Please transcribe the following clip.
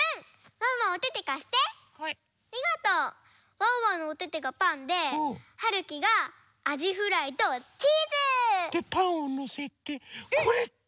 ワンワンのおててがパンではるきがあじフライとチーズ！でパンをのせて。